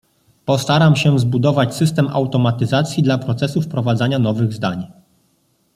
postaram się zbudować system automatyzacji dla procesu wprowadzania nowych zdań